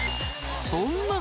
［そんな］